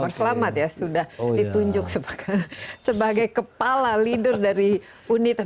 pancasila halo bung yudi apa kabar selamat ya sudah ditunjuk sebagai kepala leader dari unit